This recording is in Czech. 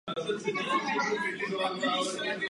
Květenství má mnoho žlutých květů.